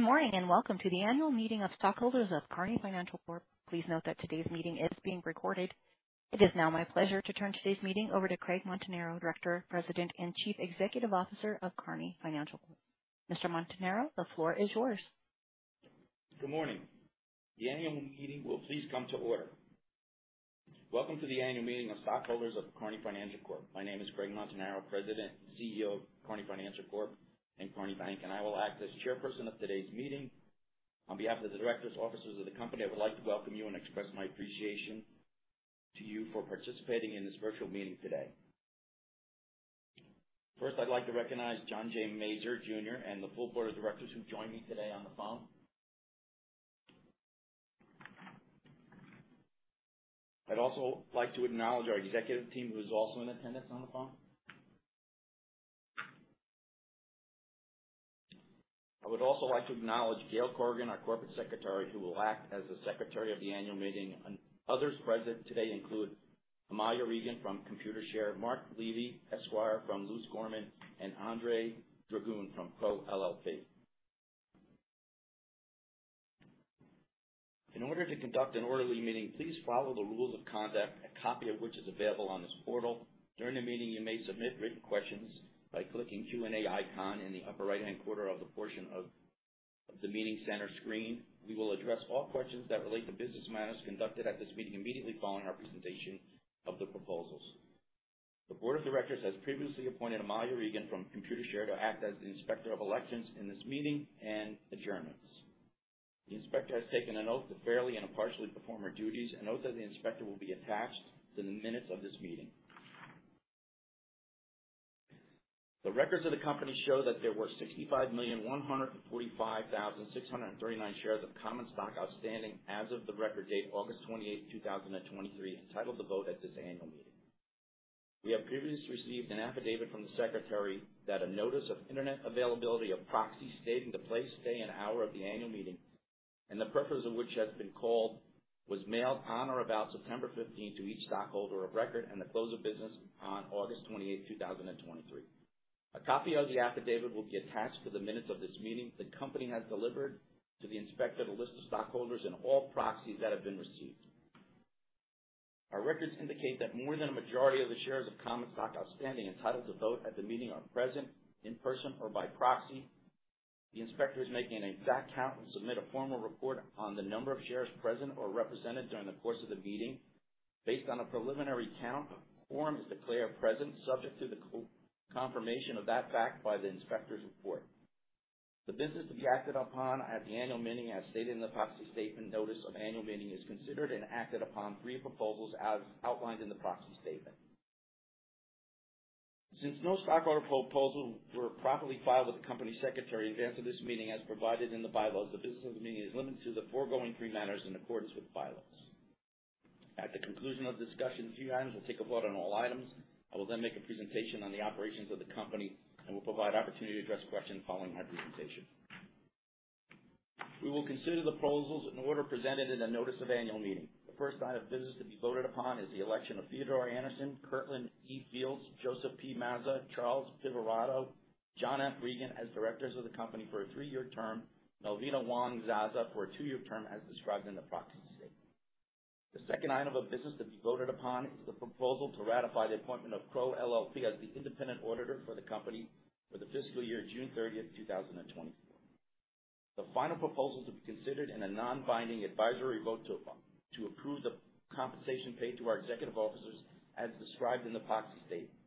Good morning, and welcome to the annual meeting of stockholders of Kearny Financial Corp. Please note that today's meeting is being recorded. It is now my pleasure to turn today's meeting over to Craig Montanaro, Director, President, and Chief Executive Officer of Kearny Financial Corp. Mr. Montanaro, the floor is yours. Good morning. The annual meeting will please come to order. Welcome to the annual meeting of stockholders of Kearny Financial Corp. My name is Craig Montanaro, President, CEO of Kearny Financial Corp. and Kearny Bank, and I will act as chairperson of today's meeting. On behalf of the directors, officers of the company, I would like to welcome you and express my appreciation to you for participating in this virtual meeting today. First, I'd like to recognize John J. Mazur Jr. and the full board of directors who joined me today on the phone. I'd also like to acknowledge our executive team, who is also in attendance on the phone. I would also like to acknowledge Gail Corrigan, our corporate secretary, who will act as the secretary of the annual meeting. Others present today include Amilja Regan from Computershare, Mark Levy, Esquire from Luse Gorman, and Andre Dragun from Crowe LLP. In order to conduct an orderly meeting, please follow the rules of conduct, a copy of which is available on this portal. During the meeting, you may submit written questions by clicking Q&A icon in the upper right-hand corner of the portion of the meeting center screen. We will address all questions that relate to business matters conducted at this meeting immediately following our presentation of the proposals. The board of directors has previously appointed Amilja Regan from Computershare to act as the Inspector of Elections in this meeting and adjournaments. The inspector has taken an oath to fairly and impartially perform her duties. An oath of the inspector will be attached to the minutes of this meeting. The records of the company show that there were 65,145,639 shares of common stock outstanding as of the record date August 28, 2023, entitled to vote at this annual meeting. We have previously received an affidavit from the secretary that a notice of internet availability of proxy stating the place, day, and hour of the annual meeting, and the purpose of which has been called, was mailed on or about September 15 to each stockholder of record at the close of business on August 28, 2023. A copy of the affidavit will be attached to the minutes of this meeting. The company has delivered to the inspector the list of stockholders and all proxies that have been received. Our records indicate that more than a majority of the shares of common stock outstanding, entitled to vote at the meeting, are present in person or by proxy. The inspector is making an exact count and will submit a formal report on the number of shares present or represented during the course of the meeting. Based on a preliminary count, the quorum is declared present, subject to the confirmation of that fact by the inspector's report. The business to be acted upon at the annual meeting, as stated in the proxy statement, notice of annual meeting, is to consider and act upon three proposals as outlined in the proxy statement. Since no stockholder proposals were properly filed with the company secretary in advance of this meeting, as provided in the bylaws, the business of the meeting is limited to the foregoing three matters in accordance with the bylaws. At the conclusion of the discussion of few items, we'll take a vote on all items. I will then make a presentation on the operations of the company and will provide opportunity to address questions following my presentation. We will consider the proposals in order presented in the notice of annual meeting. The first item of business to be voted upon is the election of Theodore Aanensen, Curtland E. Fields, Joseph P. Mazza, Charles Pivirotto, John F. Regan as directors of the company for a three-year term. Melvina Wong-Zaza for a two-year term, as described in the proxy statement. The second item of business to be voted upon is the proposal to ratify the appointment of Crowe LLP as the independent auditor for the company for the fiscal year June 30, 2020. The final proposal to be considered in a non-binding advisory vote to approve the compensation paid to our executive officers as described in the proxy statement.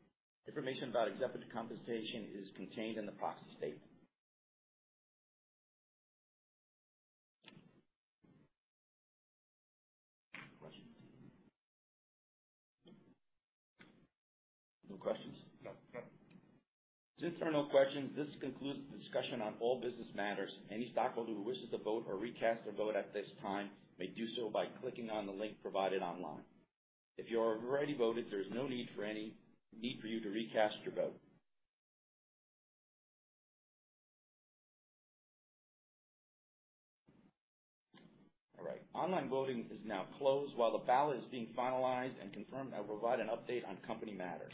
Information about executive compensation is contained in the proxy statement. Questions? No questions. No, none. Since there are no questions, this concludes the discussion on all business matters. Any stockholder who wishes to vote or recast their vote at this time may do so by clicking on the link provided online. If you have already voted, there is no need for you to recast your vote. All right. Online voting is now closed. While the ballot is being finalized and confirmed, I will provide an update on company matters.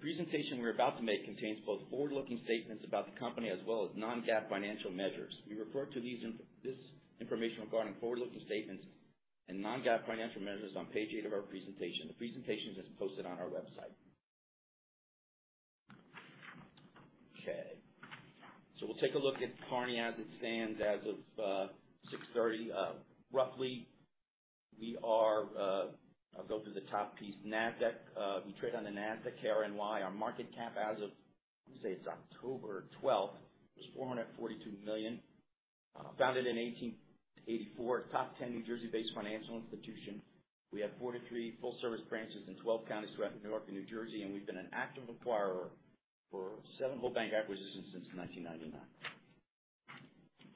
The presentation we're about to make contains both forward-looking statements about the company as well as non-GAAP financial measures. We refer to this information regarding forward-looking statements and non-GAAP financial measures on page 8 of our presentation. The presentation is posted on our website. Okay, so we'll take a look at Kearny as it stands as of June 30. Roughly, we are... I'll go through the top piece. Nasdaq, we trade on the Nasdaq, KRNY. Our market cap as of, let me say, it's October 12, was $442 million. Founded in 1884, top 10 New Jersey-based financial institution. We have 43 full-service branches in 12 counties throughout New York and New Jersey, and we've been an active acquirer for seven whole bank acquisitions since 1999.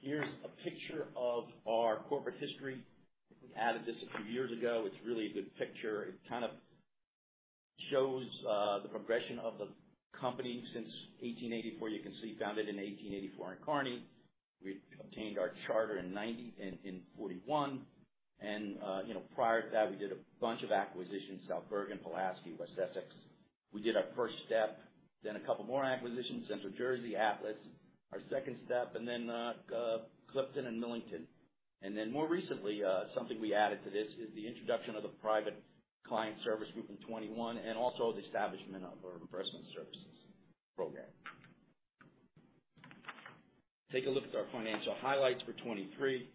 Here's a picture of our corporate history. We added this a few years ago. It's really a good picture. It kind of shows the progression of the company since 1884. You can see, founded in 1884 in Kearny. We obtained our charter in 1941. And, you know, prior to that, we did a bunch of acquisitions, South Bergen, Pulaski, West Essex. We did our first step, then a couple more acquisitions, Central Jersey, Atlas, our second step, and then, Clifton and Millington. And then more recently, something we added to this is the introduction of the private client service group in 2021, and also the establishment of our investment services program. Take a look at our financial highlights for 2023.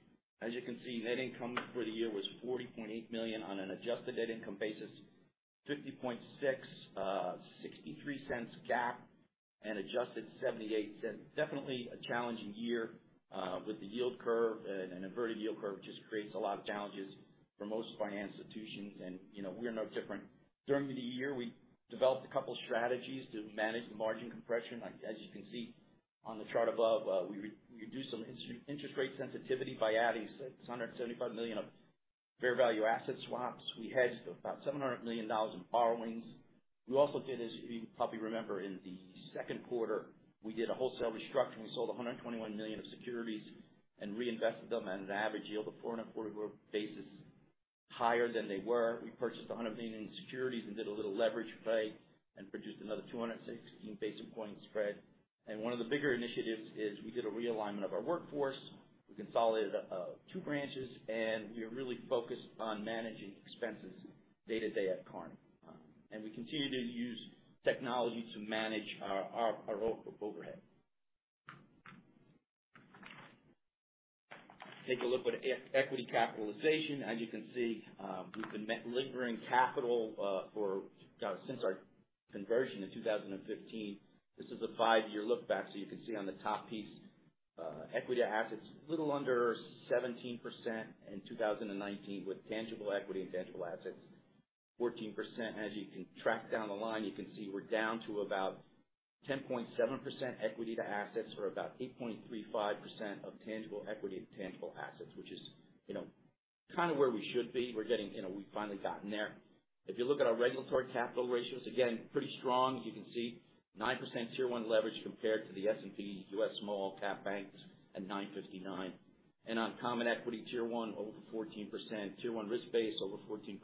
As you can see, net income for the year was $40.8 million on an adjusted net income basis, $50.6 million, $0.63 GAAP, and adjusted $0.78. Definitely a challenging year, with the yield curve. An inverted yield curve just creates a lot of challenges for most financial institutions, and, you know, we're no different. During the year, we developed a couple strategies to manage the margin compression. Like, as you can see on the chart above, we reduced some interest rate sensitivity by adding $675 million of fair value asset swaps. We hedged about $700 million in borrowings. We also did, as you probably remember, in the second quarter, we did a wholesale restructuring. We sold $121 million of securities and reinvested them at an average yield of 440 basis points higher than they were. We purchased $100 million in securities and did a little leverage play and produced another 216 basis point spread. One of the bigger initiatives is we did a realignment of our workforce. We consolidated two branches, and we are really focused on managing expenses day-to-day at Kearny. We continue to use technology to manage our overhead. Take a look at equity capitalization. As you can see, we've been levering capital since our conversion in 2015. This is a five-year look back, so you can see on the top piece, equity to assets, a little under 17% in 2019, with tangible equity and tangible assets, 14%. As you can track down the line, you can see we're down to about 10.7% equity to assets or about 8.35% of tangible equity to tangible assets, which is, you know, kind of where we should be. We're getting... You know, we've finally gotten there. If you look at our regulatory capital ratios, again, pretty strong. You can see 9% Tier 1 leverage compared to the S&P U.S. small cap banks at 9.59%. And on common equity Tier 1, over 14%, Tier 1 risk-based over 14%,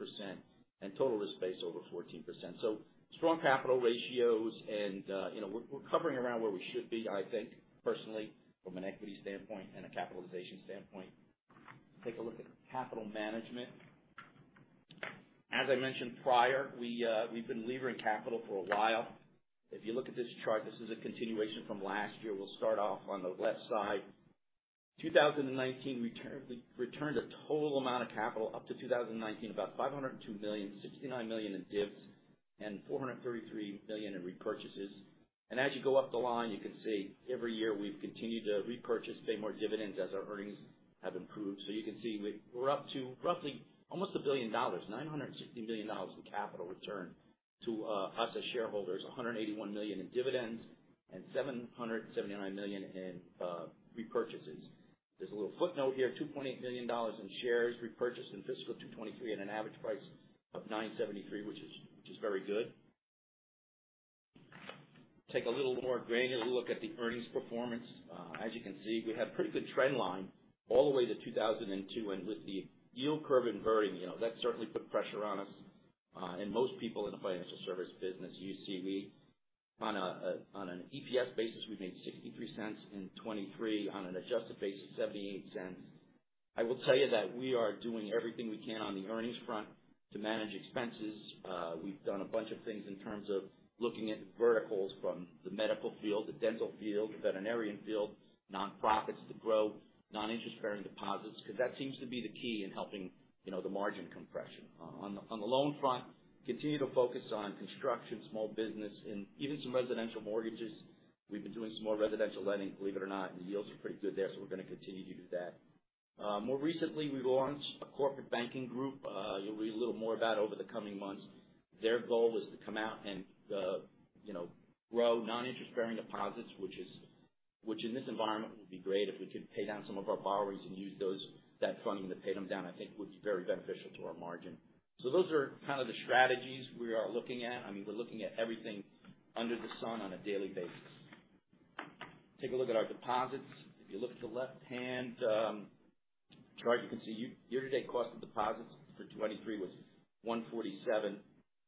and total risk-based over 14%. So strong capital ratios and, you know, we're, we're hovering around where we should be, I think, personally, from an equity standpoint and a capitalization standpoint. Take a look at capital management. As I mentioned prior, we've been levering capital for a while. If you look at this chart, this is a continuation from last year. We'll start off on the left side. 2019, we returned a total amount of capital, up to 2019, about $502 million, $69 million in NIBs, and $433 million in repurchases. As you go up the line, you can see every year we've continued to repurchase, pay more dividends as our earnings have improved. You can see we're up to roughly almost $100,960,000,000 in capital returned to us as shareholders, $181 million in dividends and $779 million in repurchases. There's a little footnote here, $2.8 million in shares repurchased in fiscal 2023 at an average price of $9.73, which is, which is very good. Take a little more granular look at the earnings performance. As you can see, we have pretty good trend line all the way to 2022. And with the yield curve inverting, you know, that certainly put pressure on us, and most people in the financial service business. You see, on an EPS basis, we made $0.63 in 2023, on an adjusted basis, $0.78. I will tell you that we are doing everything we can on the earnings front to manage expenses. We've done a bunch of things in terms of looking at verticals from the medical field, the dental field, the veterinarian field, nonprofits, to grow non-interest-bearing deposits, because that seems to be the key in helping, you know, the margin compression. On the loan front, continue to focus on construction, small business, and even some residential mortgages. We've been doing some more residential lending, believe it or not, and the yields are pretty good there, so we're going to continue to do that. More recently, we launched a corporate banking group, you'll read a little more about over the coming months. Their goal is to come out and, you know, grow non-interest-bearing deposits, which is, which in this environment would be great if we could pay down some of our borrowers and use those, that funding to pay them down, I think would be very beneficial to our margin. So those are kind of the strategies we are looking at. I mean, we're looking at everything under the sun on a daily basis. Take a look at our deposits. If you look at the left-hand, chart, you can see year-to-date cost of deposits for 2023 was 1.47.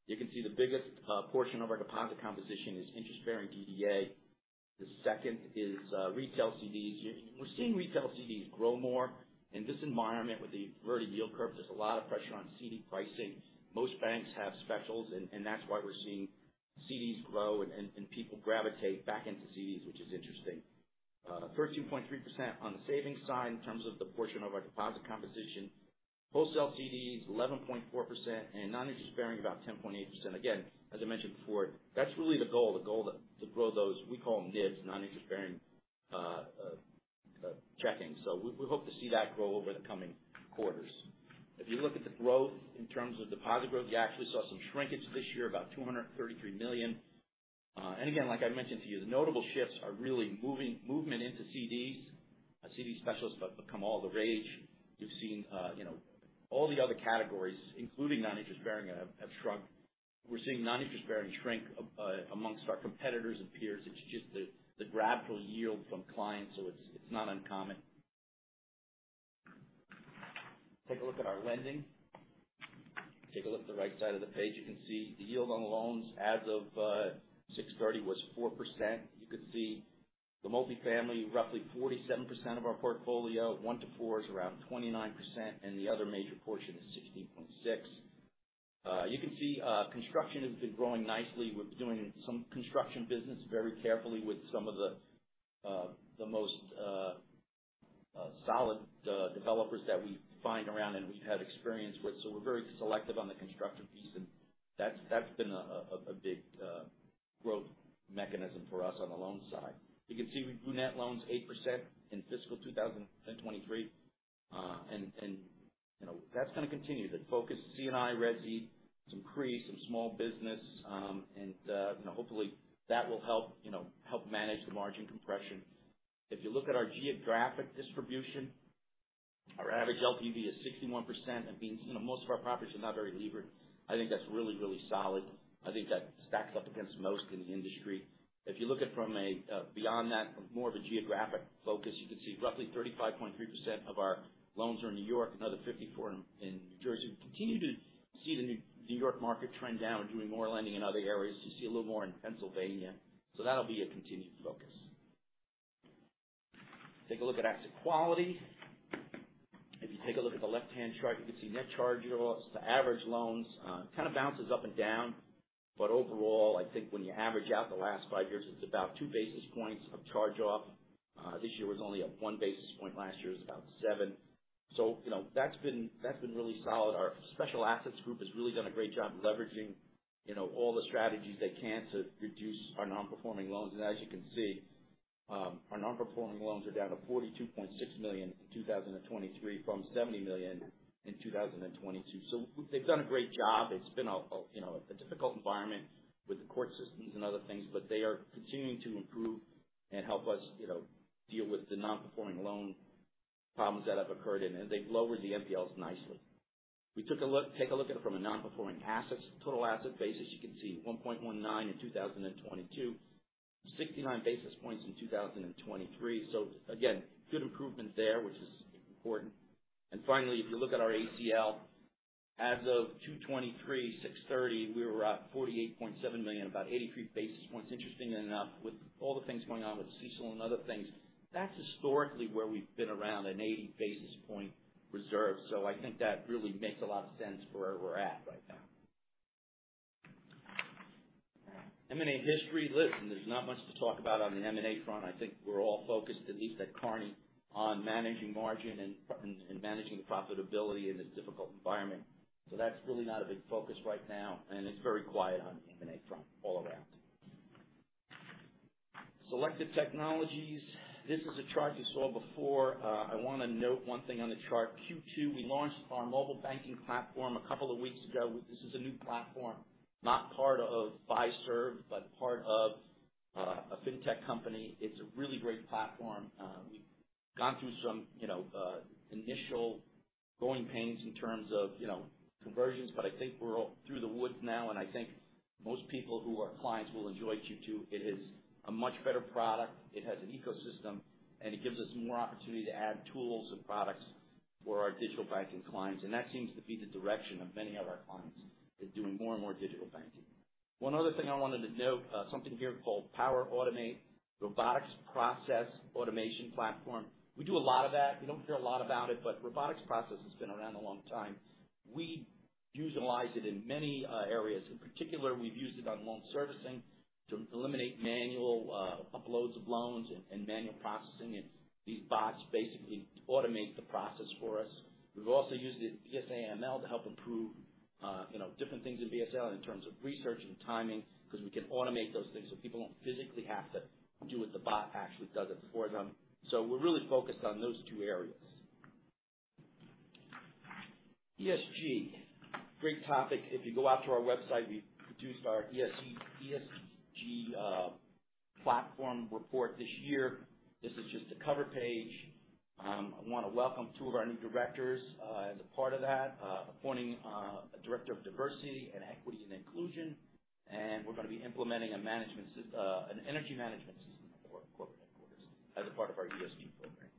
You can see the biggest portion of our deposit composition is interest-bearing DDA. The second is, retail CDs. We're seeing retail CDs grow more. In this environment, with the inverted yield curve, there's a lot of pressure on CD pricing. Most banks have specials, and that's why we're seeing CDs grow and people gravitate back into CDs, which is interesting. 13.3% on the savings side in terms of the portion of our deposit composition. Wholesale CDs, 11.4%, and non-interest bearing, about 10.8%. Again, as I mentioned before, that's really the goal to grow those, we call them divs, non-interest bearing checking. So we hope to see that grow over the coming quarters. If you look at the growth in terms of deposit growth, you actually saw some shrinkage this year, about $233 million. And again, like I mentioned to you, the notable shifts are really movement into CDs. CD specialists have become all the rage. We've seen, you know, all the other categories, including non-interest bearing, have shrunk. We're seeing non-interest bearing shrink, among our competitors and peers. It's just the gradual yield from clients, so it's not uncommon. Take a look at our lending. Take a look at the right side of the page. You can see the yield on loans as of 6/30 was 4%. You can see the multifamily, roughly 47% of our portfolio, 1-4 is around 29%, and the other major portion is 16.6%. You can see, construction has been growing nicely. We're doing some construction business very carefully with some of the most solid developers that we find around and we've had experience with. So we're very selective on the construction piece, and that's been a big growth mechanism for us on the loan side. You can see we grew net loans 8% in fiscal 2023. You know, that's going to continue. The focus, C&I, resi, some CRE, some small business, you know, hopefully that will help, you know, help manage the margin compression. If you look at our geographic distribution, our average LTV is 61%. That means, you know, most of our properties are not very levered. I think that's really, really solid. I think that stacks up against most in the industry. If you look at from a beyond that, from more of a geographic focus, you can see roughly 35.3% of our loans are in New York, another 54% in New Jersey. We continue to see the New York market trend down and doing more lending in other areas. You see a little more in Pennsylvania, so that'll be a continued focus. Take a look at asset quality. If you take a look at the left-hand chart, you can see net charge-offs to average loans kind of bounces up and down. But overall, I think when you average out the last 5 years, it's about 2 basis points of charge-off. This year was only at 1 basis point, last year was about seven. So, you know, that's been, that's been really solid. Our special assets group has really done a great job leveraging, you know, all the strategies they can to reduce our non-performing loans. And as you can see, our non-performing loans are down to $42.6 million in 2023 from $70 million in 2022. So they've done a great job. It's been a, you know, a difficult environment with the court systems and other things, but they are continuing to improve and help us, you know, deal with the non-performing loan problems that have occurred, and, and they've lowered the NPLs nicely. Take a look at it from a non-performing assets, total asset basis. You can see 1.19% in 2022, 69 basis points in 2023. So again, good improvement there, which is important. And finally, if you look at our ACL, as of 2023, June 30, we were at $48.7 million, about 83 basis points. Interestingly enough, with all the things going on with CECL and other things, that's historically where we've been, around an 80 basis point reserve. So I think that really makes a lot of sense for where we're at right now. M&A history. Listen, there's not much to talk about on the M&A front. I think we're all focused, at least at Kearny, on managing margin and managing the profitability in this difficult environment. So that's really not a big focus right now, and it's very quiet on the M&A front all around. Selected technologies. This is a chart you saw before. I want to note one thing on the chart. Q2, we launched our mobile banking platform a couple of weeks ago. This is a new platform, not part of Fiserv, but part of a fintech company. It's a really great platform. We've gone through some, you know, initial growing pains in terms of, you know, conversions, but I think we're all through the woods now, and I think most people who are clients will enjoy Q2. It is a much better product. It has an ecosystem, and it gives us more opportunity to add tools and products for our digital banking clients. And that seems to be the direction of many of our clients, is doing more and more digital banking. One other thing I wanted to note, something here called Power Automate, robotics process automation platform. We do a lot of that. We don't hear a lot about it, but robotics process has been around a long time. We utilize it in many areas. In particular, we've used it on loan servicing to eliminate manual uploads of loans and manual processing, and these bots basically automate the process for us. We've also used it, BSA/AML, to help improve, you know, different things in BSA in terms of research and timing, because we can automate those things so people don't physically have to do it, the bot actually does it for them. So we're really focused on those two areas. ESG, great topic. If you go out to our website, we produced our ESG platform report this year. This is just the cover page. I want to welcome two of our new directors, as a part of that, appointing a director of diversity and equity and inclusion, and we're going to be implementing an energy management system for corporate headquarters as a part of our ESG program.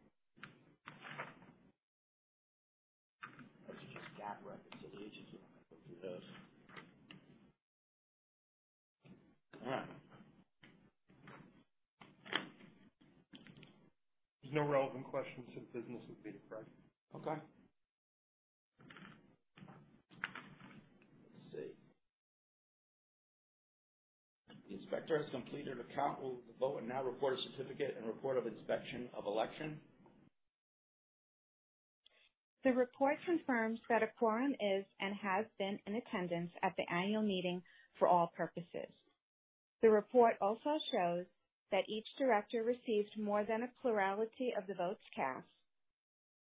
Those are just GAAP reconciliation. Go through those. All right. There's no relevant questions in the business of data, right? Okay. Let's see. The inspector has completed a count of the vote and now reports a certificate and report of inspection of election. The report confirms that a quorum is, and has been in attendance at the annual meeting for all purposes. The report also shows that each director received more than a plurality of the votes cast.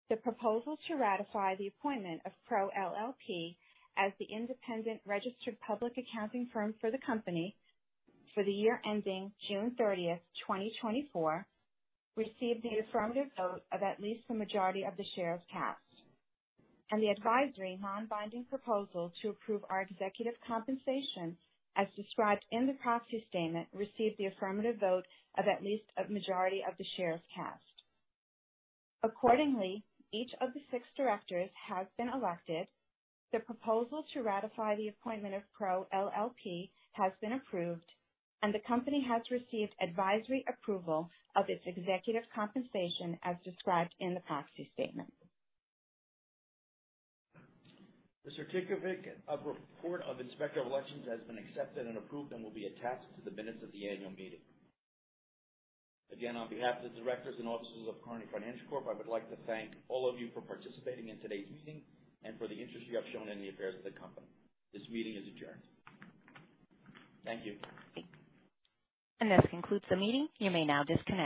The proposal to ratify the appointment of Crowe LLP as the independent registered public accounting firm for the company for the year ending June 30, 2024, received the affirmative vote of at least the majority of the shares cast. The advisory non-binding proposal to approve our executive compensation, as described in the proxy statement, received the affirmative vote of at least a majority of the shares cast. Accordingly, each of the six directors has been elected, the proposal to ratify the appointment of Crowe LLP has been approved, and the company has received advisory approval of its executive compensation as described in the proxy statement. The certificate of report of inspector of elections has been accepted and approved and will be attached to the minutes of the annual meeting. Again, on behalf of the directors and officers of Kearny Financial Corp., I would like to thank all of you for participating in today's meeting and for the interest you have shown in the affairs of the company. This meeting is adjourned. Thank you. This concludes the meeting. You may now disconnect.